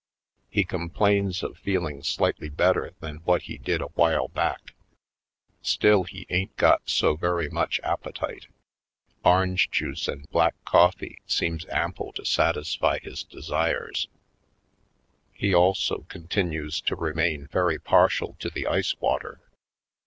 He complains of feeling slightly better than what he did awhile back. Still, he ain't got so very much ap petite. Orange juice and black coffee seems ample to satisfy his desires; he also continues to remain very partial to the ice water.